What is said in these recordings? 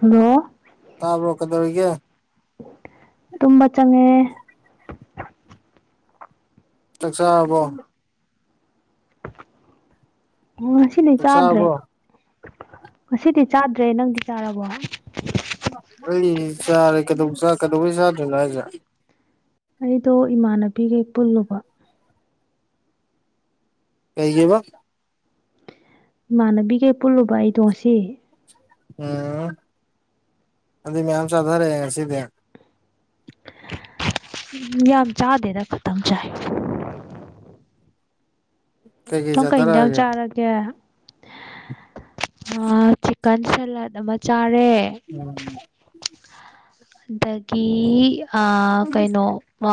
hello ꯇꯥꯕ ꯂꯣ ꯀꯗꯧꯔꯤꯒꯦ ꯇꯪꯡꯕ ꯆꯪꯉꯦ ꯆꯥꯛꯆꯥꯔꯕꯣ ꯑꯣ ꯉꯁꯤꯗꯤ ꯆꯥꯛ ꯆꯥꯗ꯭ꯔꯦ ꯆꯥꯔꯕꯣ ꯉꯁꯤꯗꯤ ꯆꯥꯗ꯭ꯔꯦ ꯅꯪꯗꯤ ꯆꯥꯔꯕꯣ ꯑꯩ ꯆꯥꯔꯦ ꯀꯩꯗ ꯀꯩꯗꯧꯕꯩ ꯆꯥꯗ꯭ꯔꯦꯅꯣ ꯍꯥꯏꯁꯦ ꯑꯩꯗꯣ ꯏꯃꯥꯟꯅꯕꯤꯈꯩ ꯄꯨꯜꯂꯨꯕ ꯀꯩꯒꯤꯕ ꯏꯃꯥꯟꯅꯕꯤꯒꯦ ꯄꯨꯜꯂꯨꯕ ꯑꯩꯗꯣ ꯉꯁꯤ ꯎꯝ ꯑꯗꯨꯗꯤ ꯃꯌꯥꯝ ꯆꯥꯊꯔꯛꯑꯦ ꯉꯁꯤꯗꯤ ꯎꯝ ꯌꯥꯝ ꯆꯥꯗꯦꯗ ꯈꯇꯝ ꯆꯥꯢ ꯀꯩꯀꯩ ꯅꯪ ꯀꯩꯟꯖꯥꯡ ꯆꯥꯊꯔꯛꯑꯒꯦ ꯆꯥꯔ ꯒꯦ ꯆꯤꯛꯀꯟ ꯁꯂꯦꯠ ꯑꯃ ꯆꯥꯔꯦ ꯎꯝ ꯑꯗꯒꯤ ꯑ ꯀꯩꯅꯣ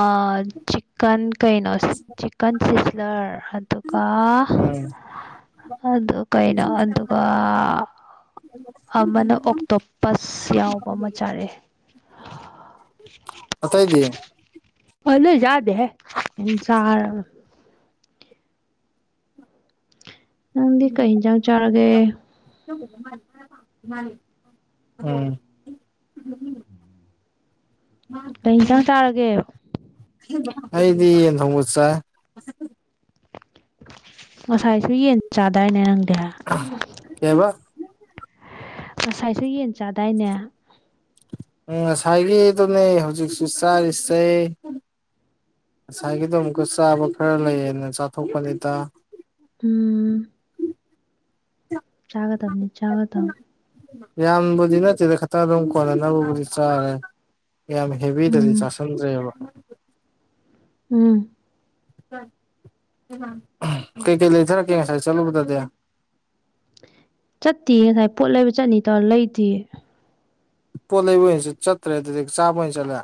ꯑ ꯆꯤꯛꯀꯟ ꯀꯩꯅꯣ ꯆꯤꯛꯀꯟ ꯁꯤꯁꯂꯔ ꯑꯗꯨꯒ ꯎꯝ ꯑꯗꯨ ꯀꯩꯅꯣ ꯑꯗꯨꯒ ꯑꯃꯅ ꯑꯣꯛꯇꯣꯞꯄꯁ ꯌꯥꯎꯕ ꯑꯃ ꯆꯥꯔꯛꯑꯦ ꯑꯇꯩꯗꯤ ꯑꯇꯩ ꯆꯥꯗꯦꯍ‌ꯦ ꯑꯗꯨ ꯆꯥꯔꯒ ꯅꯪꯗꯤ ꯀꯩ ꯌꯦꯟꯖꯥꯡ ꯆꯥꯔꯒꯦ ꯎꯝ ꯀꯩ ꯌꯦꯟꯁꯥꯡ ꯆꯥꯔꯒꯦ [inaudible] ꯑꯩꯗꯤ ꯌꯦꯟ ꯊꯣꯡꯕ ꯆꯥꯏ ꯉꯁꯥꯏꯁꯨ ꯌꯦꯟ ꯆꯥꯗꯥꯏꯅꯦ ꯅꯪꯗꯤ ꯀꯩ‌ ꯍꯥꯏꯕ ꯉꯁꯥꯏꯁꯨ ꯌꯦꯟ ꯆꯥꯗꯥꯏꯅꯦ ꯎꯝ ꯉꯁꯥꯏꯒꯤ ꯑꯗꯨꯅꯦ ꯍꯧꯖꯤꯛꯁꯨ ꯆꯥꯔꯤ ꯁꯦ ꯉꯁꯥꯏꯒꯤꯗꯣ ꯑꯃꯨꯛꯀ ꯆꯥꯕ ꯈꯔ ꯂꯩꯌꯦꯅ ꯆꯥꯊꯣꯛꯄꯅꯤꯗ ꯎꯝ [inaudible] ꯆꯥꯒꯗꯕꯅꯤ ꯆꯥꯒꯗꯕꯅꯤ ꯌꯥꯝꯕꯨꯗꯤ ꯅꯠꯇꯦꯗ ꯈꯛꯇꯪ ꯑꯗꯨꯝ ꯀꯣꯟꯅꯅꯕꯕꯨꯗꯤ ꯆꯥꯔꯦ ꯌꯥꯝ ꯍꯦꯚꯤꯗꯗꯤ ꯆꯥ ꯎꯝ ꯁꯟꯗꯔ‌ꯦꯕ ꯎꯝ ꯀꯩꯀꯩ ꯂꯩꯊꯔꯛꯀꯦ ꯉꯁꯥꯏ ꯆꯠꯂꯨꯕꯗꯗꯤ ꯆꯠꯇꯤꯌ‌ꯦ ꯉꯁꯥꯏ ꯄꯣꯠ ꯂꯩꯕ ꯆꯠꯅꯤ ꯇꯧꯔ ꯂꯩꯗꯤꯌ‌ꯦ ꯄꯣꯠ ꯂꯩꯕ ꯑꯣꯏꯅ ꯆꯠꯇ꯭ꯔꯦ ꯑꯗꯨꯗꯤ ꯆꯥꯕ ꯑꯣꯏꯅ ꯆꯠꯂꯦ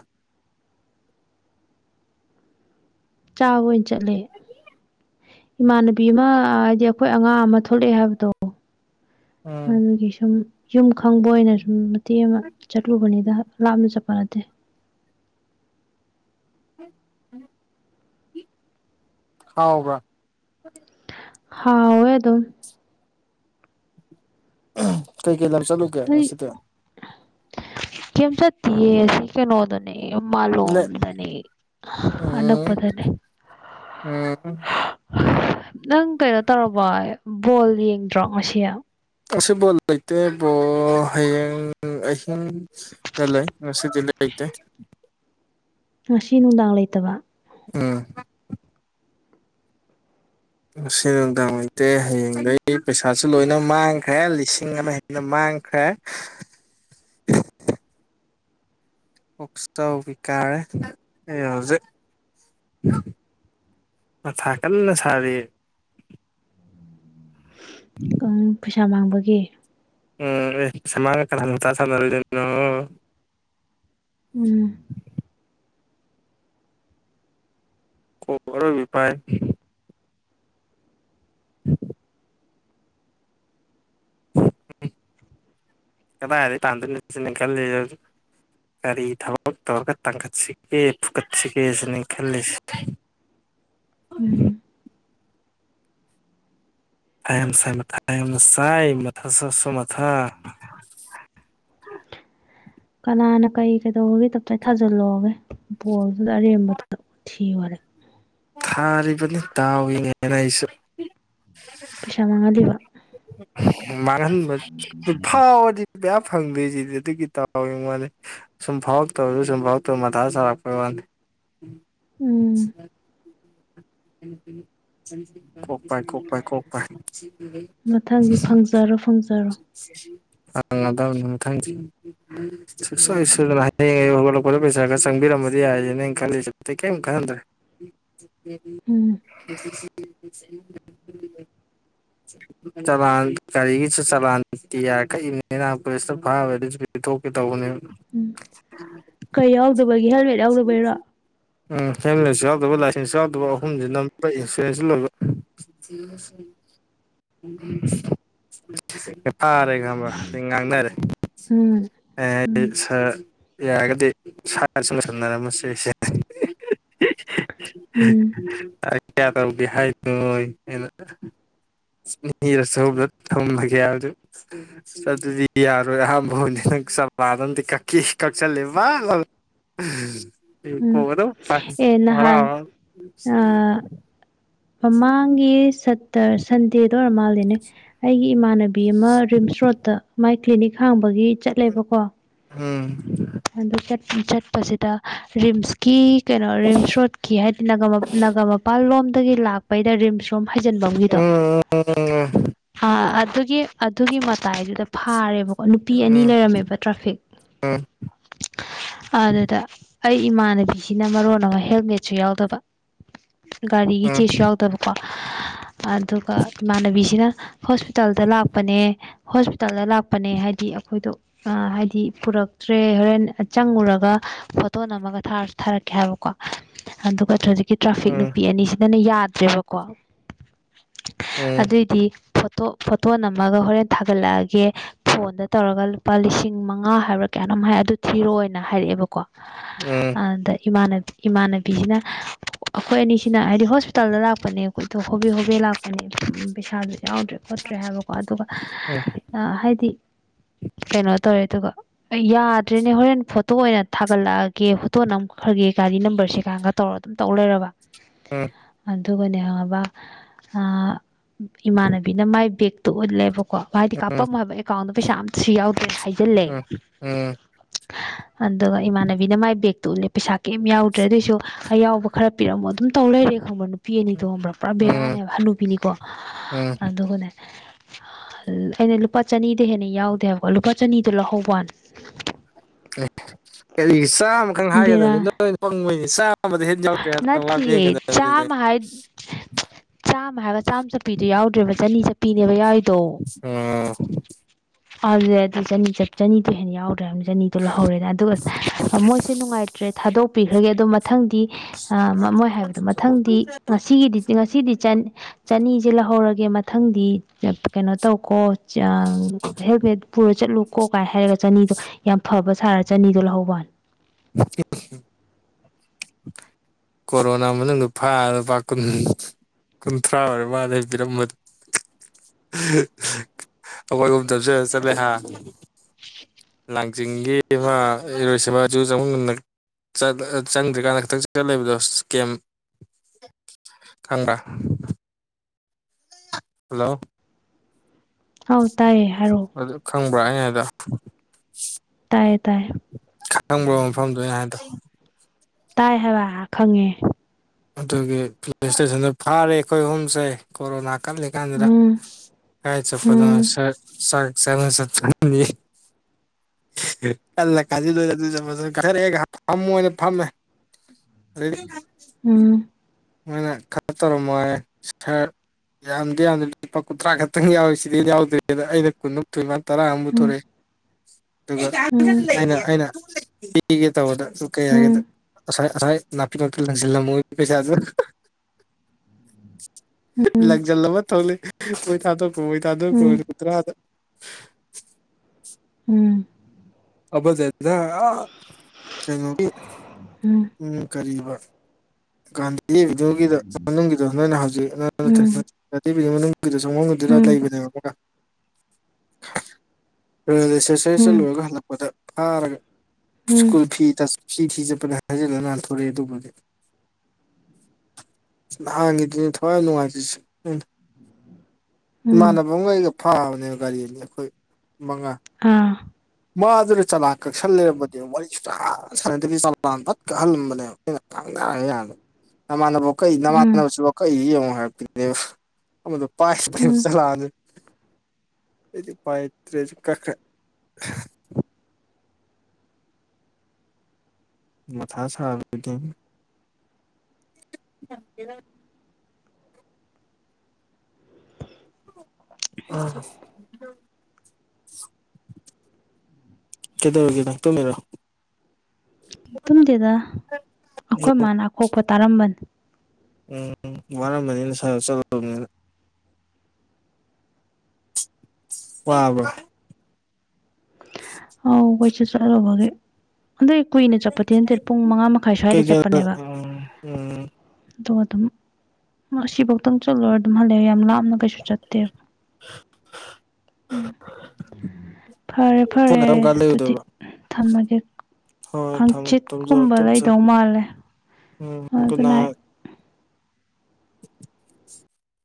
ꯆꯥꯕ ꯑꯣꯏꯅ ꯆꯠꯂꯦ ꯏꯃꯥꯟꯅꯕꯤ ꯑꯃ ꯍꯥꯏꯗꯤ ꯑꯩꯈꯣꯏ ꯑꯉꯥꯡ ꯑꯃ ꯊꯣꯛꯂꯛꯑꯦ ꯍꯥꯏꯕꯗꯣ ꯎꯝ ꯑꯗꯨꯒꯤ ꯁꯨꯝ ꯌꯨꯝ ꯈꯪꯕ ꯑꯣꯏꯅ ꯁꯨꯝ ꯃꯇꯦꯛ ꯑꯃ ꯆꯠꯂꯨꯕꯅꯤꯗ ꯂꯥꯞꯅ ꯆꯠꯄ‌ ꯅꯠ [inaudible] ꯍꯥꯎꯕ꯭ꯔ ꯍꯥꯎꯌ‌ꯦ ꯑꯗꯨꯝ ꯀꯩꯀꯩ ꯂꯝ ꯆꯠꯂꯨꯒꯦ ꯅꯣꯏ ꯉꯁꯤꯗꯤ ꯀꯩꯝ ꯆꯠꯇꯤꯌ‌ꯦ [inaudible] ꯀꯩꯅꯣꯗꯅꯦ ꯃꯥꯂ‌ꯣꯝꯗꯅ‌ꯦ ꯎꯝ ꯑꯅꯛꯄꯗꯅꯦ ꯎꯝ ꯅꯪ ꯀꯩꯅꯣ ꯇꯧꯔꯕ‌ꯣ ꯕꯣꯜ ꯌꯦꯡꯗ꯭ꯔꯣ ꯉꯁꯤ ꯑꯁꯤ ꯕꯣꯜ ꯂꯩꯇꯦ ꯕꯣꯜ ꯍꯌꯦꯡ ꯑꯍꯤꯡ ꯗꯤ ꯂꯩ ꯉꯁꯤꯗꯤ ꯂꯩꯇꯦ ꯉꯁꯤ ꯅꯨꯡꯗꯥꯡ ꯂꯩꯇꯕ ꯎꯝ ꯉꯁꯤ ꯅꯨꯡꯗꯥꯡ ꯂꯩꯇꯦ ꯍꯌꯦꯡꯗꯩ ꯄꯩꯁꯥꯁꯨ ꯂꯣꯏꯅ ꯃꯥꯡꯈ꯭ꯔꯦ ꯂꯤꯁꯤꯡ ꯑꯃ ꯅ ꯃꯥꯡꯈ꯭ꯔꯦ ꯀ‌ꯣꯛꯆꯥꯎꯕꯤ ꯀꯥꯔꯦ ꯑꯩ ꯍꯧꯖꯤꯛ ꯃꯊꯥ ꯀꯟꯅ ꯁꯥꯔꯤ ꯄꯩꯁꯥ ꯃꯥꯡꯕꯒꯤ ꯎꯝ ꯄꯩꯁꯥ ꯃꯥꯡꯉꯒ ꯀꯅꯥꯅ ꯃꯊꯥ ꯁꯥꯟꯅꯔ‌ꯣꯏꯗꯩꯅꯣ ꯎꯝ [unintelligible] [inaudible] ꯀꯗꯥꯏꯗꯩ ꯇꯥꯟꯗ‌ꯣꯏꯅ‌ꯣ ꯁꯤꯅ‌ꯦ ꯑꯩ ꯈꯜꯂꯤꯁ‌ꯦ ꯍꯧꯖꯤꯛ ꯀꯔꯤ ꯊꯕꯛ ꯇꯧꯔꯒ ꯇꯥꯡꯈꯠꯁꯤꯒꯦ ꯐꯨꯒꯠꯁꯤꯒꯦꯁꯤꯅꯤ ꯑꯩ ꯈꯜꯂꯤꯁꯦ ꯎꯝ ꯃꯊꯥ ꯌꯥꯝ ꯁꯥꯏ ꯃꯊꯥ ꯌꯥꯝ ꯁꯥꯏ ꯃꯊꯥ ꯁꯥ ꯁꯥ ꯃꯊꯥ ꯀꯅꯥꯅ ꯀꯩ ꯀꯩꯗꯧꯕꯒꯤ ꯇꯞꯇꯥꯏ ꯊꯥꯖꯤꯜꯂ‌ꯣꯒꯦ ꯕꯣꯜꯗꯨꯗ ꯑꯔꯦꯝꯕꯗ ꯋꯥꯊꯤ ꯋꯥꯔꯦꯝ ꯊꯥꯔꯤꯕꯅꯤ ꯗꯥꯎ ꯌꯦꯡꯒꯦꯅꯥ ꯑꯩꯁꯨ ꯄꯩꯁꯥ ꯃꯥꯡꯍꯜꯂꯤꯕ ꯃꯥ ꯐꯥꯎꯗꯤ ꯃꯌꯥꯝ ꯐꯪꯗꯦꯁꯤꯗꯤ ꯑꯗꯨꯒꯤ ꯇꯥꯎꯋꯦ ꯃꯥꯜꯂꯦ ꯁꯨꯝ ꯐꯥꯎ ꯇꯧꯁꯨ ꯁꯨꯝꯐꯥꯎ ꯇꯧꯔ ꯃꯊꯥ ꯁꯥꯔꯛꯄꯩ ꯋꯥꯅꯤ ꯎꯝ ꯀꯣꯛꯄꯥꯏ ꯀꯣꯛꯄꯥꯏ ꯀꯣꯛꯄꯥꯏ ꯃꯊꯪꯗꯤ ꯐꯪꯖꯔꯣ ꯐꯪꯖꯔꯣ ꯑꯗꯥ ꯃ ꯊꯥꯡꯁꯤ ꯁꯨꯡꯁꯣꯏ ꯁꯣꯏꯗꯅ ꯍꯌꯦꯡ ꯑꯩ ꯍꯧꯒꯠꯂꯛꯄꯗ ꯄꯩꯁꯥ ꯈꯔ ꯆꯪꯕꯤꯔꯝꯃꯗꯤ ꯌꯥꯏꯅ ꯅꯩꯅ ꯈꯜꯂꯤꯁ ꯑꯇꯩ ꯀꯩꯝ ꯈꯟꯗ꯭ꯔꯦ ꯎꯝ [inaudible] ꯆꯂꯥꯟ ꯒꯥꯔꯤꯒꯤꯁꯨ ꯆꯂꯥꯟ ꯇꯤ ꯑꯔ ꯄꯨꯂꯤꯁꯇ ꯐꯥꯕ ꯑꯗꯨꯁꯨ ꯄꯤꯊꯣꯛꯀꯦ ꯇꯧꯕꯅꯦ ꯎꯝ ꯀꯩ ꯌꯥꯎꯗꯕꯒꯤ ꯍꯦꯜꯃꯦꯠ ꯌꯥꯎꯗꯕꯩꯔꯣ ꯎꯝ ꯍꯦꯝꯂꯦꯠ ꯁꯨ ꯌꯥꯎꯗꯕ ꯌꯥꯎꯗꯕ ꯑꯍꯨꯝꯁꯤ ꯅꯝꯕ ꯏꯟꯁꯨꯔꯦꯟꯁ ꯂꯣꯏꯕ ꯎꯝ ꯐꯥꯔꯦ ꯈꯥꯡꯕ ꯁꯤ ꯉꯥꯡꯅꯔꯦ ꯎꯝ ꯎꯝ ꯁꯥꯔ ꯌꯥꯔꯒꯗꯤ ꯁꯥꯅ ꯆꯨꯝꯁꯝꯅꯔꯝꯃꯁꯦ ꯑꯩꯁꯦ ꯎꯝ ꯀꯌꯥ ꯇꯔ ꯍꯥꯏ ꯅꯣꯏ ꯁꯨꯕꯗ ꯊꯝꯃꯒꯦ ꯍꯥꯏꯗꯨ ꯆ ꯑꯗꯨꯗꯤ ꯌꯥꯔꯣꯏ ꯑꯍꯥꯟꯕ ꯍꯧꯅꯤ ꯅꯪ ꯆꯞꯉꯥꯗꯗꯤ ꯀꯛꯈꯤ ꯀꯛꯁꯜꯂꯦ ꯋꯥ ꯎꯝ ꯑꯦ ꯅꯍꯥꯟ ꯑꯥ, [unintelligible] ꯃꯃꯥꯡꯒꯤ ꯁꯠꯇꯔ ꯁꯟꯗꯦꯗ ꯑꯣꯏꯔ ꯃꯥꯜꯂꯤꯅꯦ ꯑꯩꯒꯤ ꯏꯃꯥꯟꯅꯕꯤ ꯕꯤ ꯑꯃ ꯔꯤꯝꯁ ꯔꯣꯗꯠꯇ ꯃꯥꯏ ꯀ꯭ꯂꯤꯅꯤꯛ ꯍꯥꯡꯕꯒꯤ ꯆꯠꯂꯦꯕꯀꯣ ꯎꯝ ꯑꯗꯨ ꯆꯠꯄꯁꯤꯗ ꯔꯤꯝꯁꯀꯤ ꯀꯩꯅꯣ ꯔꯤꯝꯁ ꯔꯣꯠꯈꯤ ꯍꯥꯏꯗꯤꯅꯒꯃꯄꯥꯜ ꯂꯣꯝꯗꯒꯤ ꯂꯥꯛꯄ ꯄꯩꯗ ꯔꯤꯝꯁ ꯔꯣꯝ ꯍꯩꯖꯤꯟꯐꯝꯒꯤꯗꯣ ꯎꯝ ꯎꯝ ꯑ ꯑꯗꯨꯒꯤ ꯑꯗꯨꯒꯤ ꯃꯇꯥꯏꯗꯨꯗ ꯐꯥꯔꯦꯕꯀꯣ ꯅꯨꯄꯤ ꯎꯝ ꯑꯅꯤ ꯂꯩꯔꯝꯃꯦꯕ ꯇ꯭ꯔꯥꯐꯤꯛ ꯎꯝ ꯑꯗꯨꯗ ꯑꯩ ꯏꯃꯥꯟꯅꯕꯤꯁꯤꯅ ꯃꯔꯣꯟ ꯑꯃ ꯍꯦꯜꯃꯦꯠꯁꯨ ꯌꯥꯎꯗꯕ ꯒꯥꯔꯤꯒꯤ ꯆꯦꯁꯨ ꯌꯥꯎ ꯇꯕꯀꯣ ꯑꯗꯨꯒ ꯏꯃꯥꯟꯅꯕꯤꯁꯤꯅ ꯍꯣꯁꯄꯤꯇꯥꯜꯗ ꯂꯥꯛꯄꯅꯦ ꯍꯣꯁꯄꯤꯇꯥꯜꯗ ꯂꯥꯛꯄꯅꯦ ꯍꯥꯏꯗꯤ ꯑꯩꯈꯣꯏꯗꯣ ꯍꯥꯏꯗꯤ ꯄꯨꯔꯛ ꯇ꯭ꯔꯦ ꯍꯣꯔꯦꯟ ꯆꯪꯉꯨꯔꯒ ꯐꯣꯇꯣ ꯅꯝꯃꯒꯔ ꯊꯥꯔꯛꯀꯦ ꯍꯥꯏꯕꯀꯣ ꯑꯗ ꯇ꯭ꯔꯥꯐꯤꯛ ꯅꯨꯄꯤ ꯑꯅꯤꯁꯤꯅ ꯌꯥꯗ꯭ꯔꯦꯕꯀꯣ ꯑꯗꯨꯑꯣꯏꯗꯤ ꯐꯣꯇꯣ ꯐꯣꯇꯣ ꯅꯝꯃꯒ ꯍꯣꯔꯦꯟ ꯊꯥꯒꯠꯂꯛꯑꯒꯦ ꯐꯣꯟꯗ ꯇꯧꯔꯒ ꯂꯨꯄꯥ ꯂꯤꯁꯤꯡ ꯃꯉꯥ ꯍꯥꯏꯕꯛ ꯀꯌꯥꯅꯣꯝ ꯍꯥꯏ ꯑꯗꯨ ꯊꯤꯔꯣꯅ ꯍꯥꯏꯔꯛꯑꯦꯕꯀꯣ ꯑꯗ ꯏꯃꯥꯟꯅꯕꯤ ꯏꯃꯥꯟꯅꯕꯤꯁꯤꯅ ꯑꯩꯈꯣꯏ ꯑꯅꯤꯁꯤꯅ ꯍꯥꯏꯗꯤ ꯍꯣꯁꯄꯤꯇꯥꯜꯗ ꯂꯥꯛꯄꯅꯦ ꯑꯩꯈꯣꯏꯗꯣ ꯍꯣꯕꯦ ꯍꯣꯕꯦ ꯂꯥꯛꯄ ꯍꯥꯏ ꯄꯩꯁꯥꯁꯨ ꯌꯥꯎꯗ꯭ꯔꯦ ꯈꯣꯠꯇ꯭ꯔꯦ ꯍꯥꯏꯕꯀꯣ ꯑꯗꯨꯒ ꯍꯥꯏꯗꯤ ꯀꯩꯅꯣ ꯇꯧꯔꯦ ꯑꯗꯨꯒ ꯌꯥꯗ꯭ꯔꯦꯅꯦ ꯍꯣꯔꯦꯟ ꯐꯣꯇꯣ ꯑꯣꯏꯅ ꯊꯥꯒꯠꯂꯛꯑꯒꯦ ꯐꯣꯇꯣ ꯅꯝꯈ꯭ꯔꯒꯦ ꯒꯥꯔꯤ ꯅꯝꯕꯔꯁꯦ ꯀꯒ ꯇꯧꯔꯒ ꯑꯗꯨꯝ ꯇꯧ ꯂꯩꯔꯕ ꯎꯝ ꯑꯗꯨꯒꯅꯑꯦ ꯉꯕ ꯏꯃꯥꯟꯅꯕꯤꯅ ꯃꯥꯏ ꯕꯦꯛꯇꯨ ꯎꯠꯂꯦꯕ ꯀꯣ ꯍꯥꯏꯚꯗꯤ ꯀꯥꯄꯝꯃꯣ ꯍꯥꯏꯕ ꯑꯦꯀꯥꯎꯟꯗ ꯄꯩꯁꯥꯝꯨ ꯌꯥꯎꯗ꯭ꯔꯦꯅ ꯍꯥꯏꯖꯜꯂꯦ [inaudible] ꯑꯗꯨꯒ ꯏꯃꯥꯟꯅꯕꯤꯅ ꯃꯥꯏ ꯕꯦꯒꯛꯇꯨ ꯎꯠꯂꯦ ꯄꯩꯁꯥ ꯀꯩꯝ ꯌꯥꯎꯗ꯭ꯔꯦ ꯑꯗꯨꯑꯣꯏꯁꯨ ꯑ ꯌꯥꯎꯕ ꯈꯔ ꯄꯤꯔꯝꯃꯣ ꯑꯗꯨꯝ ꯇꯧ ꯂꯩꯔꯦ ꯈꯪꯕ ꯅꯨꯄꯥ ꯅꯨꯄꯤ ꯑꯅꯤ ꯇꯣꯡꯉꯕ꯭ꯔꯥ ꯄꯨꯔꯥ ꯕꯦꯔꯥꯅꯦꯕ ꯍꯜꯂꯨꯄꯤꯅꯤꯀꯣ ꯑꯗꯨꯒꯅꯦ ꯑꯩꯅ ꯂꯨꯄꯥ ꯆꯅꯤꯗ ꯍꯦꯟꯅ ꯌꯥꯎꯗꯦꯕꯀꯣ ꯂꯨꯄꯥ ꯆꯅꯤꯗꯣ ꯂꯥꯛꯍꯧꯕꯅꯤ ꯑꯦ ꯀꯔꯤ ꯆꯥꯝꯃꯈꯪ ꯕꯦꯔꯥ ꯍꯥꯏꯒꯗꯕꯅꯤ ꯅꯣꯏ ꯄꯪꯕꯩꯅꯤ ꯆꯥ ꯅꯠꯇꯦ [unintelligible] [unintelligible] ꯆꯥꯝꯃ ꯍꯥꯏꯕ ꯆꯥꯝ ꯆꯠꯄꯤꯗꯨ ꯌꯥꯎꯗ꯭ꯔꯦꯕ ꯆꯅꯤ ꯆꯠꯄꯤꯅꯦꯕ ꯌꯥꯎ ꯑꯝ [unintelligible] ꯑꯗꯨ ꯆꯅꯤ ꯆꯅꯤꯗꯤ ꯍꯦꯟ ꯌꯥꯎꯔꯗꯔꯦ ꯍꯥꯏꯕ ꯆꯅꯤꯗꯣ ꯂꯧꯍꯧꯔꯦꯅ ꯑꯗꯨꯒ ꯃꯣꯏꯁꯦ ꯅꯨꯡꯉꯥꯏꯇ꯭ꯔꯦ ꯊꯥꯗꯣꯛꯄꯤꯈ꯭ꯔꯒꯦ ꯑꯗꯣ ꯃꯊꯪꯗꯤ ꯑ ꯃꯣꯏ ꯍꯥꯏꯕꯗꯣ ꯃꯊꯪꯗꯤ ꯉꯁꯤꯒꯤꯗꯤ ꯉꯁꯤꯗꯤ ꯆꯅꯤꯁꯦ ꯂꯧꯍꯧꯔꯒꯦ ꯃꯊꯪꯗꯤ ꯀꯩꯅꯣ ꯇꯧꯀꯣ ꯍꯦꯜꯃꯦꯠ ꯄꯨꯔ ꯆꯠꯂꯨ ꯀꯣ ꯀꯥꯏꯅ ꯍꯥꯏꯔꯒ ꯆꯅꯤꯗꯣ ꯌꯥꯝ ꯐꯕ ꯁꯥꯔ ꯆꯅꯤꯗꯣ ꯂꯧꯍꯧꯕꯋꯥꯅꯤ [unintelligible] ꯀꯣꯔꯣꯅꯥ ꯃꯅꯨꯡꯗ ꯐꯥ ꯂꯨꯄꯥ ꯀꯨꯟ ꯀꯨꯟꯊ꯭ꯔꯥ ꯑꯣꯏꯔꯃꯥꯜꯂꯦ ꯑꯩ ꯄꯤꯔꯝꯕ [inaudible] [unintelligible] ꯑꯩꯈꯣꯏ ꯑꯍꯨꯝ [unintelligible] ꯆꯠꯂꯦ ꯍꯥ [inaudible] ꯂꯥꯡꯖꯤꯡꯒꯤ ꯑꯃꯥ ꯏꯔꯣꯏꯁꯦꯝꯕ ꯖꯨ ꯆꯪꯕꯝ [unintelligible] ꯆꯪꯗ꯭꯭ꯔꯤꯀꯥꯟꯗ ꯈꯤꯇꯪ ꯆꯪꯖꯤꯜꯂ ꯂꯩꯕꯗꯣ ꯒꯦꯝ ꯈꯪꯕ꯭ꯔ ꯍꯜꯂꯣ ꯍꯥꯎ ꯇꯥꯏꯌꯦ ꯍꯥꯏꯔꯣ ꯑꯗꯨ ꯈꯪꯕ꯭ꯔꯥ ꯑꯩꯅ ꯍꯥꯏꯗꯣ ꯇꯥꯏꯌꯦ ꯇꯥꯏꯌꯦ [inaudible] ꯈꯪꯕ꯭ꯔꯣ ꯃꯐꯝꯗꯣ ꯑꯩꯅ ꯍꯥꯏꯗꯣ ꯇꯥꯏ ꯍꯥꯏꯕ ꯈꯪꯉꯦ ꯑꯗꯨꯒꯤ ꯄꯨꯂꯤꯁ ꯏꯁꯇꯦꯁꯟꯗ ꯐꯥꯔꯦ ꯑꯩꯈꯣꯏ ꯑꯍꯨꯝꯁꯦ ꯀꯣꯔꯣꯅꯥ ꯀꯜꯂꯤ ꯎꯝ [unintelligible] ꯀꯥꯏ ꯆꯠꯄꯗ ꯎꯝ [unintelligible] ꯆꯥꯛ ꯆꯥꯅ ꯆꯠꯄꯅꯤ [unintelligible] ꯐꯝꯃꯨ ꯍꯩꯅ ꯐꯝꯃꯦ [unintelligible] ꯎꯝ ꯃꯣꯏꯅ ꯈꯔ ꯇꯧꯔꯝꯃꯣ ꯍꯥꯏꯌꯦ ꯈꯔ [unintelligible] ꯌꯥꯝꯗꯤ ꯌꯥꯝꯗꯦ ꯂꯨꯄꯥ ꯀꯨꯟꯊ꯭ꯔꯥ ꯈꯛꯇꯪ ꯌꯥꯎꯏ ꯁꯤꯗꯩ ꯍꯦꯟꯅ ꯌꯥꯎꯗ꯭ꯔꯦ [unintelligible] ꯇꯔꯥ ꯑꯝꯃ ꯎꯝ ꯄꯨꯊꯣꯔꯛꯑꯦ ꯑꯗꯨꯒ ꯎꯝ ꯑꯩꯅ ꯑꯩꯅ ꯄꯤꯒꯦ ꯇꯧꯕꯗ ꯑꯗꯨ ꯀꯩ ꯎꯝ ꯍꯥꯏꯒꯦꯗ ꯑꯁꯥꯏ ꯑꯁꯥꯏ ꯅꯥꯄꯤ ꯔꯛꯇ ꯂꯪꯁꯤꯜꯂꯝꯃꯣꯏ ꯄꯩꯁꯥꯗꯨ [inaudible] ꯎꯝ ꯂꯪꯖꯤꯜ ꯂꯝꯃ ꯊꯣꯛꯂꯛꯑꯦ ꯃꯣꯏ ꯊꯥꯗ ꯎꯝ [unintelligible] ꯎꯝ [unintelligible] ꯑꯥ ꯀꯩꯅꯣꯒꯤ ꯎꯝ ꯀꯔꯤꯕ ꯒꯥꯟꯙꯤ ꯑꯦꯕꯤꯌꯨꯅꯤꯒꯤꯗ ꯃꯅꯨꯡꯒꯤꯗ ꯅꯣꯏꯅ ꯍꯧꯖꯤꯛ ꯎꯝ [unintelligible] ꯑꯗꯨꯗ ꯎꯝ ꯂꯩꯕꯅꯦꯕ [inaudible] [unintelligible] ꯎꯝ ꯆꯠꯂꯨꯔꯒ ꯍꯜꯂꯛꯄꯗ ꯐꯥꯔꯒ ꯎꯝ ꯁ꯭ꯀꯨꯜ ꯐꯤ ꯐꯤ ꯐꯤ ꯆꯠꯄꯅꯤ ꯍꯥꯏꯖꯤꯜꯂ ꯅꯥꯥꯟꯊꯣꯔꯛꯑꯦ ꯑꯗꯨꯕꯨꯗꯤ ꯅꯍꯥꯟꯒꯤꯗꯨꯅꯦ ꯊꯋꯥꯏ ꯌꯥꯝ ꯅꯨꯡꯉꯥꯏꯇ꯭ꯔꯤꯁꯦ ꯂꯜꯑꯩꯅ ꯎꯝ ꯏꯃꯥꯟꯅꯕꯝꯒ ꯑꯩꯒ ꯐꯥꯕꯅꯦꯕ ꯒꯥꯔꯤ ꯑꯅꯤ ꯑꯩꯈꯣꯏ ꯃꯉꯥ ꯑꯥ ꯃꯥꯗꯨꯅ ꯆꯂꯥꯛ ꯀꯛꯁꯜ ꯂꯩꯔꯝꯕꯅꯦ ꯋꯥꯔꯤ ꯁꯨꯁꯥꯟ ꯁꯥꯟꯅꯗꯕꯤ ꯆꯂꯥꯡ ꯐꯠ ꯀꯛꯍꯜꯂꯝꯕꯅꯦ ꯑꯩꯅ ꯉꯥꯡꯅꯔ [unintelligible] ꯅꯃꯥꯟꯅꯕ ꯀꯩ ꯎꯝ ꯅꯃꯥꯟꯅꯕꯁꯨ ꯀꯛ ꯏ ꯌꯦꯡꯉꯨ ꯍꯥꯏꯔꯛꯄꯤꯅꯦꯕ ꯑꯃꯗꯨ ꯎꯝ [unintelligible] ꯑꯗꯩꯗꯤ ꯎꯄꯥꯏ ꯂꯩꯇ꯭ꯔꯦ ꯐꯩꯖꯨ ꯀꯛꯈ꯭ꯔꯦ ꯃꯊꯥ ꯁꯥꯕꯒꯤ [inaudible] [unintelligible] ꯀꯩꯗꯧꯔꯤꯒꯦ ꯅꯪ ꯇꯨꯝꯃꯦꯔꯣ ꯇꯨꯝꯗꯨꯗ ꯑꯩꯈꯣꯏ ꯃꯥꯅ ꯑꯀꯣꯛꯄ ꯇꯥꯔꯝꯕꯅꯤ ꯎꯝ ꯋꯥꯔꯝꯕꯅꯤꯅ ꯁꯥꯔ ꯆꯠꯂꯨꯕꯅꯤꯅ ꯋꯥꯕꯔꯥ ꯍꯥꯎ ꯀꯣꯏꯁꯤꯁꯨꯔꯣꯕꯒꯦ ꯑꯗꯨꯏ ꯀꯨꯏꯅ ꯆꯠꯄꯗꯤ ꯅꯠꯇꯦ ꯄꯨꯡ ꯃꯉꯥ ꯃꯈꯥꯏ ꯁ꯭ꯋꯥꯏꯗ ꯀꯩꯀꯩ ꯆꯠꯄꯅꯦꯕ ꯎꯝ ꯎꯝ ꯑꯗꯣ ꯑꯗꯨꯝ ꯑꯁꯤꯐꯧꯗꯪ ꯆꯠꯂꯔ ꯑꯗꯨꯝ ꯍꯜꯂꯛꯦ ꯌꯥꯝ ꯂꯥꯞꯅ ꯀꯩꯁꯨ ꯆꯠꯇꯦꯕ ꯎꯝ [unintelligible] ꯐꯔꯦ - ꯐꯔꯦ ꯐꯣꯟꯅ ꯀꯔꯝ ꯀꯥꯟ ꯑꯗꯨꯗꯤ ꯂꯩꯔꯨꯗꯣꯏꯕ ꯊꯝꯃꯒꯦ ꯍꯣꯏ ꯊꯝꯃꯣ ꯇꯨꯝꯖꯔꯣ ꯍꯥꯆꯤꯠꯀꯨꯝꯕ ꯇꯨꯝꯖꯔꯣ ꯂꯩꯗꯧ ꯃꯥꯜꯂꯦ ꯎꯝ ꯍꯣꯏ ꯒꯨꯗ ꯒꯨꯟꯇ ꯅꯥꯏꯠ